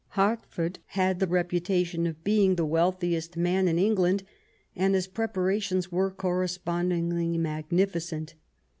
Hertford had the reputation of being the wealthiest man in England, and his preparations were correspondingly magnificent.